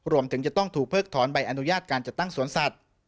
รวมถึงจะต้องถูกเพิกถอนใบอนุญาตการจัดตั้งสวนสัตว์